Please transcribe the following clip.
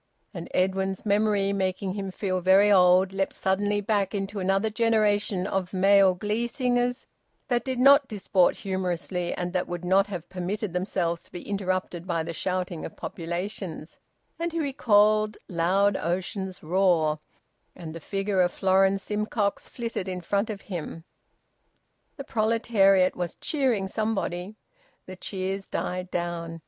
And Edwin's memory, making him feel very old, leapt suddenly back into another generation of male glee singers that did not disport humorously and that would not have permitted themselves to be interrupted by the shouting of populations; and he recalled `Loud Ocean's Roar,' and the figure of Florence Simcox flitted in front of him. The proletariat was cheering somebody. The cheers died down.